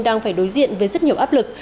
đang phải đối diện với rất nhiều áp lực